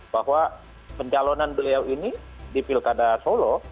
bahwa pencalonan beliau ini di pilkada solo